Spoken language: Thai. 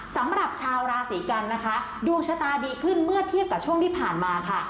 สำหรับชาวราศีกันนะคะดวงชะตาดีขึ้นเมื่อเทียบกับช่วงที่ผ่านมาค่ะ